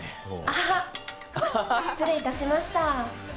あはっ失礼いたしました。